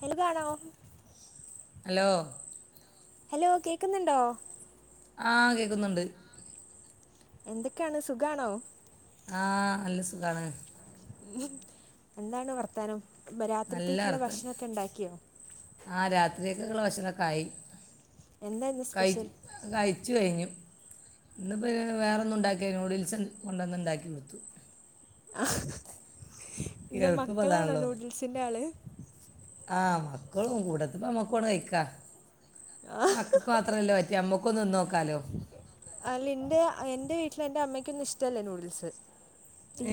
അയിലി കാണാവോ? Hello? Hello കേക്ക്ന്ന്ണ്ടോ? ആഹ് കേക്കുന്ന്ണ്ട്. എന്തൊക്ക്യാണ് സുഖാണോ? ആഹ് നല്ല സുഖാണ് ഉം എന്താണ് വർത്താനം നല്ല രാത്രിത്തേക്കുള്ള വർത്താനം ഭക്ഷണംക്കെ ഉണ്ടാക്കിയോ ആ രാത്രിയക്കെളള ഭഷനോക്കേയി എന്താ ഇന്ന് കയി സ്പെഷ്യൽ കയി ച്ച് കഴിഞ്ഞു ഇന്ന്പ്പോം വേറെ ഒന്നും ഉണ്ടാക്കിയ യൂഡിൽസും കൊണ്ടൊന്ന ഉണ്ടാക്കി കൊടുത്തു ആഹ് ഇന്ന് എളുപ്പം മക്കളാണോ അതാണല്ലോ നൂഡിൽസിന്റെ ആള് ആ മക്കളും കൂടെത്തിപ്പ ഇമ്മക്കും അങ്ങട്ട് കഴിക്കാ ആ. മ മാത്രമല്ലോറ്റ അമ്മക്കൊ ഒന്ന് നോക്കാം അല്ല എന്റെ എന്റെ വീട്ടില് എന്റെ അമ്മക്കൊന്നും ഇഷ്ടല്ലേ നൂഡിൽസ്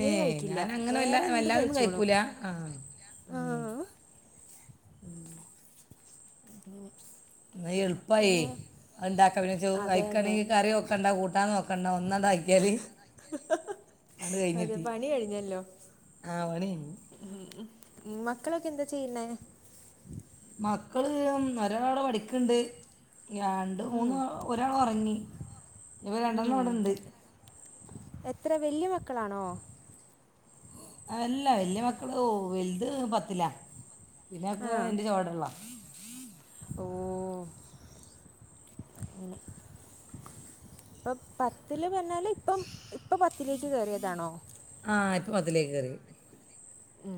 ഏ കഴിക്കില്ല ഞാൻ അങ്ങനെ വല്ല വേറെ എന്ത് വല്ലാതൊന്നും കഴിച്ചോണു കഴിക്കൂല ആ ഉം. അങ്ങനെ ന എളുപ്പമായി പിന്നെ അത്ണ്ടാക്കാ പിന്നെ അതെ അതെ കഴക്കണെങ്കിൽ കറിയൊക്കെ ഇണ്ടാക്ക കൂട്ടാന്ന് നോക്ക കണ്ട ഒന്നാത ആയിക്കാലി അതെ പണ കഴിഞ്ഞല്ലോ ആ പണി കഴിഞ്ഞു ഉം മക്കളൊക്കെ എന്താ ചെയ്യുന്നേ മക്കള് ഒരാള് പഠിക്കണ്ട് രണ്ട് മൂന്ന് ഒരാൾ ഉറങ്ങി ഇപ്പൾ രണ്ടെണ്ണം ഇവിടെണ്ട് എത്ര വല്യയ മക്കളാണോ അല്ല വലിയ മക്കള് വലുത് പത്തില പിന്നെക്കെ എന്റെ ചുവടെ ഉള്ളാ ഓഹ് ഉം ഇപ്പൊ പത്തില്ല് പഞ്ഞാല് ഇപ്പ ഇപ്പൊ പത്തിലേക്ക് കയറിയതാണോ ആഹ് ആത് പത്തിലേക്ക് കറിയ ഉം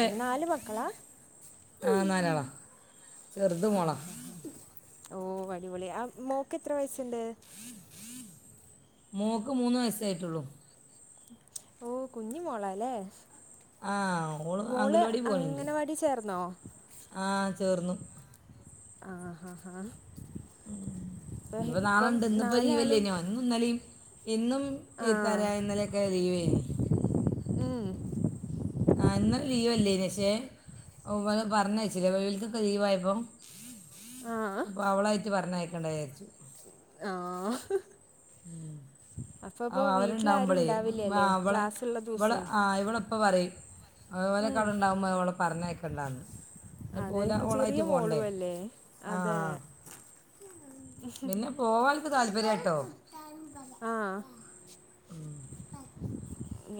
ങ്ങനെ നാല് മക്കളാ ആ നാലാളാ ചെറുത് മോളാ ആഹ് ഓ ഹ് അടിപൊളി ആ മോക്ക് എത്ര വയസ്സുണ്ട് മോക്ക് മൂന്ന് വയസ്സായിട്ടുള്ളൂ ഓഹ് കുഞ്ഞി മോളല്ലേ ആ ഓള് മോള് അംഗൻവാടി പോകുന്നുണ്ട് അങ്ങനവാടി ചേർന്നോ ആ ചേർന്നു ആ ഹാ ഹാ ഉം ഇപ്പം ഇപ്പ ഇപ്പം നാളുണ്ട് ഇന്നിപ്പോ രീവല് നാലാളും ന്നോ വന്നു ഇന്നലും ഇന്നും ആ എത്താര ഇ ന്നലെയൊക്കെ അറിയുവേന് ഉം ആ ഇന്നലെ ലീവല്ലേ ശേ ഓവ പറഞ്ഞ വെച്ചില്ലേ വെിലത്തൊക്കെ ലീവായപ്പൊ ആ ഇപ്പൊ അവളായിട്ട് പറഞ്ഞയക്കേണ്ട വിചാരിച്ചു ആഹ് ഉം അപ്പോൾ ഇപ്പോൾ ആഹ് വീട്ടിലാരും അവരുണ്ടാവുമ്പോളേ ഉണ്ടാവില്ല ആ അല്ലേ അവളെ ക്ലാസ്സുള്ള ഇവള ദിവസം ആ് ഇവള ഇപ്പ പറയും ഉം. അപോനേക്കാള ഉണ്ടാവുമ്പോ അ അവവിടെ പറഞ്ഞതൊക്കെണ്ടാന്ന് ഇഞ്ഞ് അതെ പോല കു- ചെറിയ ഓളായിട്ട് പോകണ്ടേ മോളും അല്ലേ അതെ ആഹ് പിന്നെ പോവാന് ഓല്ക്ക് താല്പര്യാട്ടൊ ആഹാ ഉം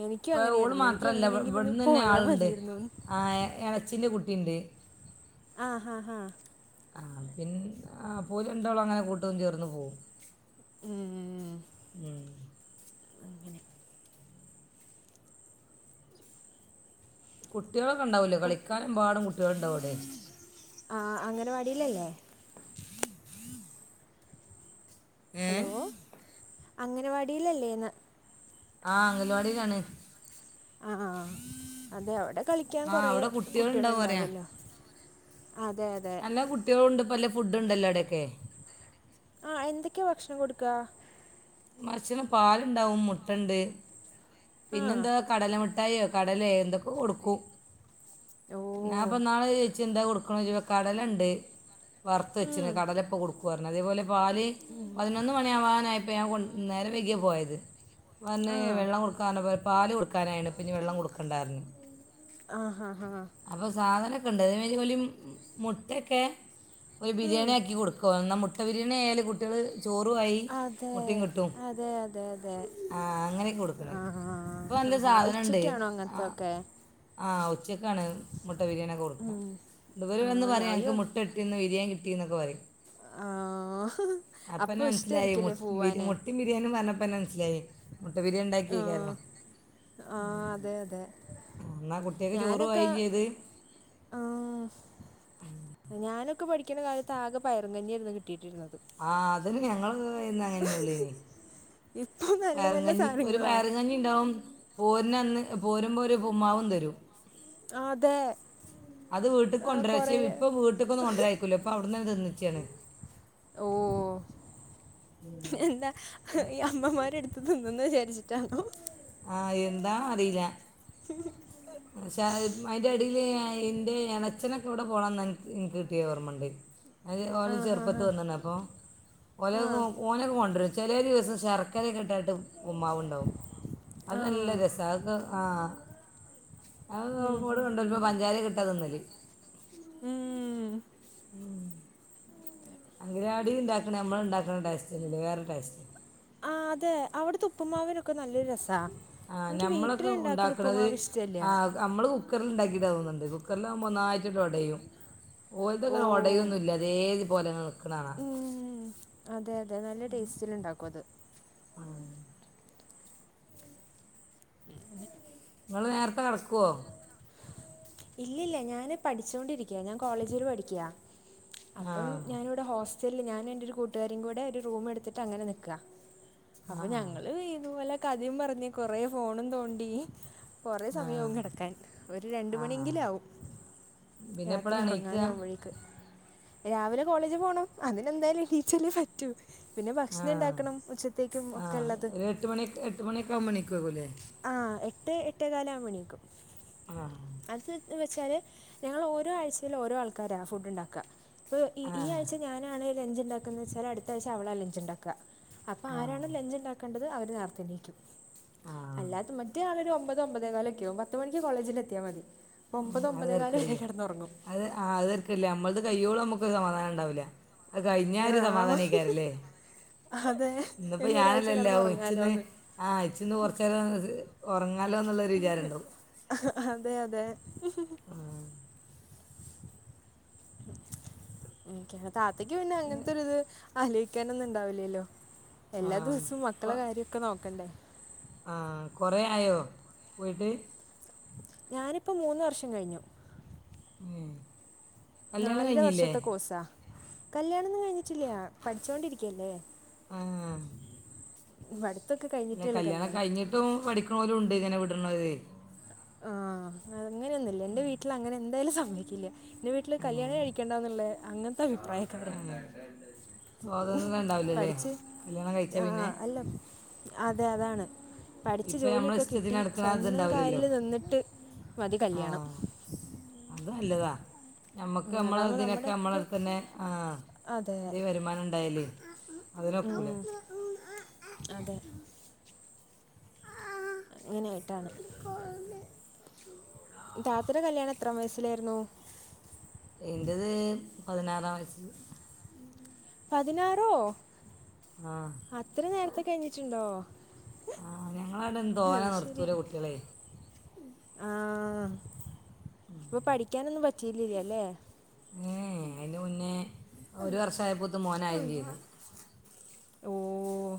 എനിക്കും ഇപ്പ ഓള് അങ്ങനെയായിരുന്നു എനിക്ക് മാത്രല്ല എങ്ങനെങ്കിലും ഒന്ന് പോയാ മതിരുന്നുന്ന് ആഹ് എളച്ചിൻ്റെ കുട്ടിയുണ്ട് ആഹ് ആഹ് ആ പിന്നെ അപ്പൊ ഓല് രണ്ടാളും അങ്ങനെ കൂട്ടത്ത് ചേർന്ന് പോവും ഉം അങ്ങെനെ കുട്ടികൾക്ക ഉണ്ടാവൂല്ലേ ഇപ്പം കളിക്കാനൻെമ്പാടും കുട്ടികൾണ്ടാവുംവിടെ ആഹ് അംഗനവാടിയിലല്ലേ ഏ ഹലോ, അംഗനവാടിയിലല്ലേന്ന്. ആഹ് അംഗൽവാടിയിലാണ്. ആഹ് അതെ അവിടെ കളിക്കാൻ ആ കൊറേ അവിടെ കുട്ടികൾ കുട്ടികളുണ്ടാവും പറയാ ഉണ്ടാവോലോ. അതെ, അതെ, എല്ലാം കുട്ടികളുണ്ട് ഇപ്പോ നല്ല ഫുഡ് ഉണ്ടല്ലോ അവിടെയൊക്കെ. ആഹ് എന്തൊക്കെയാ ഭക്ഷണം കൊടുക്ക. മച്ച്‌ല് പാലുണ്ടാവും മുട്ടുണ്ട്. ആ പിന്നെന്താ കടലമിട്ടയോ, കടലേ എന്തൊക്കോ കൊടുക്കും. ഓ ഞാപ്പോ ഇന്നാള് ചോയിച്ച്, എന്താ കൊടുക്കുണ് കടലാണ്ട്. വറുത്ത് വെച്ചിന് ഉം, കടല ഇപ്പോ കൊടുക്കു പറഞ്ഞ്, അതേപോലെ പാല് പതിനൊന്ന് മണിയാവാനായി ഇപ്പോ ഞാൻ കൊണ്ട് നേരം വൈകിയാ പോയത് വന്ന് ആ വെള്ളം കൊടുക്ക പറഞ്ഞപ്പോ പാല് കൊട് കൊടുക്കാനായിന് ഇപ്പോ ഇനി വെള്ളം കൊടുക്കണ്ട പറഞ്ഞ് ആഹ്, ആഹ് ആഹ് അപ്പൊ സാധനയൊക്കെയുണ്ട് അതേ മാരി മുട്ടൊക്കെ. ഒരു, ഉം, ബിരിയാണി ആക്കി കൊടുക്കോ എന്നാ മുട്ട ബിരിയാണി ആയാല് കുട്ടികള് ചെറുവായി അതെ മുട്ടിം കിട്ടും. അതെ അതെ അതെ ആ അങ്ങനെ കൊടുക്കണേ ആ ആ ഇപ്പോ ആ നല്ല ആ സാധനം ഉണ്ടേ ഉച്ചയ്ക്കാണോ ആ അങ്ങനത്തെ ഒക്കെ ആ ഉച്ച ക്കാണ് മുട്ട ബിരിയാണിക്കെ കൊടുക്കും ഉം. ഇവര് ആ വന്ന് ഞാൻ പറയും അയ്യോ ഞങ്ങക്ക് മുട്ട കിട്ടിന്ന് ബിരിയാൺ കിട്ടി ന്നൊക്ക പറിം ആ അപ്പനാ അപ്പോൾ മനസിലായിരി ഇഷ്ടമായിരിക്കില്ലേ പോവാൻ [unintelligible] [unintelligible] ബിരിയാണി പറഞ്ഞപ്പനെ മനസ്സിലായി മുട്ട ബിരിയാണി ആ ഉണ്ടാക്കിക്കാരോ ആഹ്‌ ആ അതെ അതെ അന്നാ കു ഞാനൊക്കെ ആഹ് ഞാനാക്കെ പഠിക്കുന്ന കാലത്ത് ആകെ പയറും കഞ്ഞിയാരുന്നു കിട്ടിയിട്ടിരുന്നത് ആഹ് അതിന് ഞങ്ങളും [unintelligible] എന്നും അങ്ങനൊള്ളെ ഇപ്പോൾ നല്ല പയറും നല്ല കഞ്ഞി ഒരു സാധനങ്ങളാ പയറും കഞ്ഞി ണ്ടാവും പോരനന്ന് പോരുമ്പോ ഒരു ഉപ്പുമാവും തരും ആതെ അത് വീട്ടി കൊണ്ടരാച്ചേ ഇപ്പോ വീട്ടിക്ക് കൊന്നും കൊണ്ടരായിക്കൂല ഇപ്പോ അവടെന്നെ നിതിന്നിച്ചാണ് ഓഹ് എന്താ ഈ അമ്മമാരെടുത്ത് തിന്നന്ന് വിചാരിച്ചിട്ടാണോ ആഹ് എന്താണ് അറിലാ പി [unintelligible] ഷേ അയിന്റെ അടിയില് എന്റെ എണച്ചഛനൊക്കെ ഇവടെ പോണന്ന് എൻക്ക് കിട്ടിയത് ഓർമ്മണ്ട് അത് ഓല ആ ഹാ ചെറുപ്പത്ത് ഹാ വന്നണ് അപ്പോ ഓലെ ആ ഓനൊക്കെ കൊണ്ടുവരും ചെലെ ദിവസം ശർക്ക കക്കറിക്കെട്ടായിട്ട് ഉമ്മാവ് ഉണ്ടാവും അത് ആ നല്ല രസാ അതൊക്കെ ആഹ്‌ അത് ആഹ്‌ ഉം, ഉം, കൂടെ [unintelligible] ഉം. പ്പോ പഞ്ചാരക്കെ ഇട്ട തിന്നല് ഉം ഉം അങ്കലവാടി ഇണ്ടാക്കണേ നമ്മള് ഇണ്ടാക്കണ ടേസ്റ്റ് അല്ലല്ലല്ലോ വേറെ ടേസ്റ്റാ ആഹ് അതെ അവിടുത്ത ഉപ്പ്മാവനൊക്കെ നല്ലൊരു രസാ ആ എനിക്ക് വീട്ടിലിണ്ടാക്കണ ഉപ്പുമാവ് ഇഷ്ടല്ല്യ നമ്മള് കുക്കറിൽ ഇണ്ടാക്കിട്ടാന്ന് തോന്നോണ്ട് കുക്കറിലാമ്പോ ഒന്നായിട്ടിട്ട് ഒടയും ഓലുക്ക് ഓ ഒന്നും ഒടയൊന്നുല്ല, അതേ പോലെ നിൽക്കുന്നത് കാണാം. ഉം അതെ അതെ നല്ല ടേസ്റ്റിലിണ്ടാക്കും അത് ആഹ് [unintelligible] ഇങ്ങള് നേരത്തെ കെടക്കുവോ ഇല്ലില്ല ഞാന് പഠിച്ചൊണ്ടിരിക്കയാ ഞാൻ കോളേജില് പഠിക്കയാ ആ അപ്പം ഞാനവ ഹോസ്റ്റൽ ഞാനും എന്റെ ഒരു കൂട്ടുകാരും കൂടെ ഒരു റൂം എടുത്തിട്ട് അങ്ങനെ നിക്കാ അപ്പ ആ ഞങ്ങള് ഇതുപോലെ കഥയും പറഞ്ഞ് കൊറേ ഫോണും തോണ്ടി കൊറേ ആ സമയവും കെടക്കാൻ ഒരു രണ്ട് ആ ആ ണെങ്കിലാകും പിന്നെ രാത്രി എപ്പോഴാണ് എണീക്കുക ഉറങ്ങാനകുമ്പോഴേക്ക് രാവിലെ കോളേജ് പോണം അതിനെന്തായാലും എണീച്ചല്ലേപറ്റൂ. പിന്നെ ആ ഭക്ഷണണ്ടാക്കണം ഉച്ചത്തേക്കും ആ ഒക്കെള്ളത് ഒരു എട്ട് മണി എട്ട് മണിയൊക്കെ ആകുമ്പോൾ എണീക്കുമാകുമല്ലേ ആഹ് എട്ട് എട്ടേ കലാവുമ്പോ എണീക്കും. ആഹ് അത് വെച്ചാൽ ഞങ്ങൾ ഓരോ ആഴ്ചയിൽ ഓരോ ആൾക്കാരാ ഫുഡ് ഉണ്ടാക്ക. ഇപ്പോ ഇ ആ ഈ ആഴ്ച ഞാനാണ് ലഞ്ച്ണ്ടാക്കുന്ന് വെച്ചാല് അടുത്ത ആഴ്ച അവളാ ലഞ്ച്ണ്ടാക്ക അപ്പൊ ആ ആരാണ് ലഞ്ച്ണ്ടാക്കേണ്ടത് അവര് നേർത്തെ എണീക്കും ആ അല്ലാത്ത മറ്റേ ആളൊരു ഒമ്പത് ഒമ്പതെകാലൊക്കെയാവും പത്ത് മണിക്ക് കോളേജില് എത്തിയാ മതി. അപ്പോൾ ഒമ്പത് അത് ഒമ്പതേകാലം വരെ തരക്കടില്ല കിടന്നുറങ്ങും അത് ആ അത് തര്ക്കടില്ല നമ്മൾത് കയ്യോളം നമ്മക്ക് സമാധാനണ്ടാവുല അത് കഴിഞ്ഞ ഒരു ആ സമാധാനെയ് ക്കാരല്ലേ അതെ ഇന്നിപ്പോ ഇനി ഒരാഴ്ച ഞാനല്ലല്ലോ കിടന്ന് ഇച്ചിന്ന് ഉറങ്ങാലോന്ന് ആഹ് ഇച്ചിന്ന് കുറച്ചേരം ഉറങ്ങാലോ ന്നൊള്ളൊരുവിചാര ണ്ടാവോ. അതെ അതെ ആ താത്തക്ക് പിന്നെ അങ്ങൻത്തെരുത് ആലോയിക്കാനൊന്നുണ്ടാവില്ലല്ലോ ആ എല്ലാ ദിവസവും മക്കളെ കാര്യക്കെ നോക്കണ്ടേ.. ആഹ് കുറേ ആയോ പോയിട്ട് ഞാനിപ്പോം മൂന്ന് വർഷം കഴിഞ്ഞു. ഉം. കല്യാണം നാലര കഴിഞ്ഞില്ലേ വർഷത്തെ കോഴ്സാ കല്യാണംന്ന് കഴിഞ്ഞിട്ടില്ല്യാ പഠിച്ചോണ്ടിരിക്കല്ലേ. ആ പടുത്തൊക്കെ കഴിഞ്ഞിട്ടേള്ളൂ കല്യാണം. റ്റവും പഠിക്കണൊലുണ്ട് ഇങ്ങനെ വിടുന്നത്. ആഹ് അങ്ങനെയൊന്നുല്ല എന്റെ വീട്ടിൽ അങ്ങനെ എന്തായാലും സംഭവിക്കില്ല. ന്റെ വീട്ടില് ഏ, കല്യാണെ കഴിക്കേണ്ടാ ന്നുള്ളേ അങ്ങനത്തെ അഭിപ്രായക്കാരാ. സ്വാതന്ത്ര്യം ഉണ്ടാവില്ലല്ലേ പഠിച്ച് കല്യാണം കഴിച്ച പിന്നെ ആഹ് അല്ല അതെ അതാണ്. പഠിച്ച് ഇപ്പൊ നമ്മള ജോലിയൊക്കെ ഇഷ്ടത്തിന് കിട്ടി നടക്കണ സ്വന്തം ഇത്ണ്ടാവില്ലല്ലോ കാലിൽ നിന്നിട്ട് മതി കല്യാണം. ആഹ് അത് നല്ലതാ നമ്മുക്ക് അതാകുമ്പോൾ നമ്മളതിനൊക്കെ നമ്മള് നമ്മുടെയൊക്കെ തന്നെ ആ അതെ ഇത് വരുമാനം ഉണ്ടായല്. ഉം അതെ. അങ്ങനെയായിട്ടാണ് ത്താതെടെ കല്യാണം എത്രാം വയസ്സിലായിരുന്നു. എന്റത് പതിനാറാം വയസ്. പതിനാറോ ആ അത്ര നേരത്തെ കഴിഞ്ഞിട്ടുണ്ടോ. ആഹ് ഞങ്ങളവ്ടെന്നും തോനെ നിർത്തൂല കുട്ടിഴളെ ആഹ് ഇപ്പൊ പഠിക്കാനൊന്നും പറ്റിട്ടില്ലല്ലേ ഏഹ് അതിന്റെ മുന്നേ ഒരു വർഷയപ്പോത്തുംമോനായും ചെയ്തു. ഓഹ്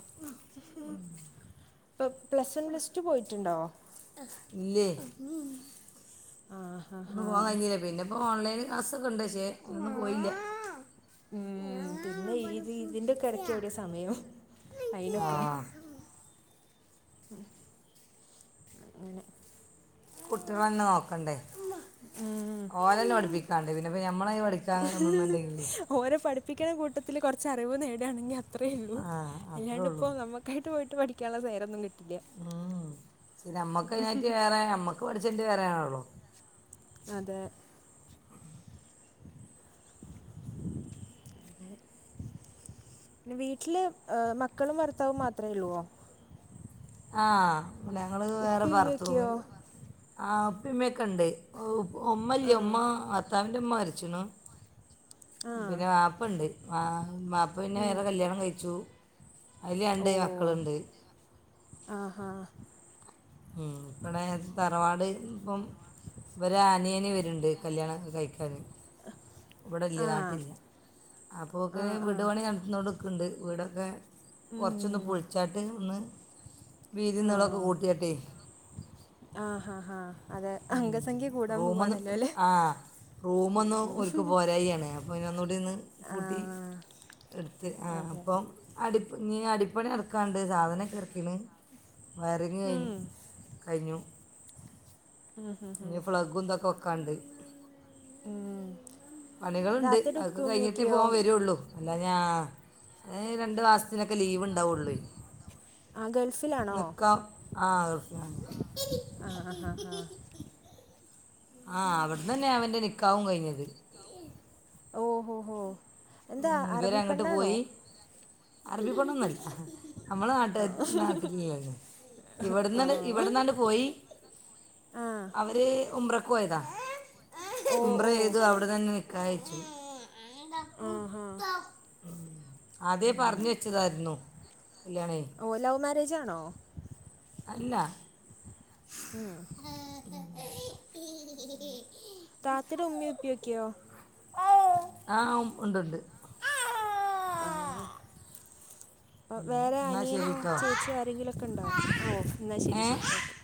ഇപ്പ പ്ലസ് വൺ പ്ലസ് ടു പോയിട്ടുണ്ടോ.. ഇല്ലേ ആ ഹാ ഒന്ന് ഹാ പോകാൻകഴിഞ്ഞില്ല പിന്നെ.. ഇപ്പൊ ഓൺലൈന് ക്ലാസ്സോക്കെണ്ട് പക്ഷേ ഒന്നും പോയില്ല ഉം ഞാൻ പിന്നെ ഇവിടെ ഇത് ഇതിന്റെക്കെ ഇടക്ക് കുത്തിയാ എവിടെയ സമയം എനിക്ക് ആ അയിനൊക്കെ ഉം അങ്ങനെ കുട്ടികളന്നെ നോക്കണ്ടേ ഓലന്നെ പഠിപ്പിക്കാണ്ട് പിന്നെപ്പ ഞമ്മളെ പഠി.. ചാറ് ഇമ്മമ്മാൻ്റെ കയ്യില് ഓര പഠിപ്പിക്കുന്ന കൂട്ടത്തിൽ കുറച്ച് അറിവ് നേടുകയാണെങ്കിൽ അത്രേ ഉള്ളൂ ആ അത്രേ ഉള്ളൂ അല്ലാണ്ട്പ്പോ നമുക്ക്.. ക്കെയിട്ട് പോയിട്ട്പഠിക്കാള്ള നേരോന്നും കിട്ട ഉം ശരി നമ്മക്കതിനായിട്ട് വേറെ നമ്മക്ക് പഠിച്ചണ്ടെവേറെ ആണല്ലോ. അതെ. ഏ.. നെ വീട്ടില് ഏഹ് മക്കളുംഭർത്താവും മാത്രമേള്ളുവോ.. ആഹ് ഞങ്ങള് വേറെ ഉപ്പി പർത്തു പോയ്. ഉമ്മയൊക്കെയോ ആഹ് ഉപ്പിമ്മയൊക്കെണ്ട് ഉമ്മല്ല ആ ഉമ്മ ഭർത്താവിന്റെമ്മ മരിച്ചിണു. ആ പിന്നെ വാപ്പണ്ട് വാപ്പ പിന്നെ ഉം. വേറെ കല്യാണം കഴിച്ചു. അയ്ലണ്ട് മക്കള്ണ്ട്. ആഹ് ഹാ ഉം വിടേ തറവാട് ഇപ്പം ഇവരെ ആനിയന് വരുണ്ട് കല്യാണം കഴിക്കാൻ ആ ഇവിടെല്ലനാട്ടില്ല ആ അപ്പോക്കെ ആ വിട് പണി നടത്തുന്നൊണ്ട് ണ്ട് വീടൊക്കെ കൊറച്ചൊന്ന് ഉം. പൊളിച്ചാട്ട് ഒന്ന് വീതി നിളൊക്കെ കൂട്ടിയട്ടെ ആഹ് ഹാ ഹാ അതെ ഉം. അംഗസംഖ്യ കൂടാൻ പോവാണല്ലോ അല്ലേ? റൂമ് ഒന്ന് ഓരുക്ക് പോരായ്കയാണ് അപ്പൊ ഒന്നൂടി ഒന്നു ആ കൂട്ടി എടുത്ത് ആഹ് അതെ അതെ അപ്പം അടിപ്പ നി അടിപ്പണി നടക്കാണ്ട് സാധനമൊക്കെ ഇറക്കിണ് വയറിങ്ങ് ഉം. കഴിഞ്ഞ് കഴിഞ്ഞു ഉം, ഉം, ഉം. ഇനി പ്ലഗ് ഇതോക്കെ വെക്കാണ്ട് ഉം. പണികളുണ്ട് താത്തയുടെ ഉപ്പ അതൊക്കെ കഴിഞ്ഞിട്ടേ പ്പൊ ഉമ്മയൊക്കെയോ ഓൻ വരുുള്ളൂ അല്ലാ ഞാ രണ്ട്മാസ് അതിനൊക്കെ ലീവ് ഉണ്ടാവുള്ളൂ ആ ഗൾഫിലാണോ നിക്കാ ആ [unintelligible] ആഹ് അ അഹാ ആഹ് അവിടെന്ന്ന്നെയാ അവന്റെ നിക്കാഹും കഴിഞ്ഞത്. ഓഹ് ഹൊ ഹോ എന്താ അറബി പെണ്ണാണോ? അറബിപെണ്ണോന്നല്ല നമ്മള് നാട്ട ആ നാട്ടിലെയാ ഇത്. ആ ഇവിടെന്ന് ഇവിടുന്നാണ്ട് പോയി ആ അവര് ഉമ്രയ്ക്കോയതാ. ഓ ഉമ്ര ഓ ചെയ്തു അവിടുന്നന്നെ നിക്കാഹ് കയ്ച്ചു. ആഹ് ഹാ അതെ പറഞ്ഞ അങ്ങനെ വെച്ചതായിരുന്നു കല്യാണേ ഓ ലവ് മാരേജ് ആണോ? അല്ല മ്ഹ് താത്തയുടെ ഉമ്മയും ഉപ്പയൊക്കെയോ [inaudible] ആഹ് ഉം ഉണ്ട് ഉണ്ട് ആഹ് ഹാ അ വേറെ എന്നാ അനിയനോ ശരി കേട്ടോ ചേച്ചിയോ ആരെങ്കിലുമൊക്കെ ഉണ്ടോ? ആഹ് വ ഓ എന്നാൽ ശരി ഏ ശരി ഓക്കെ.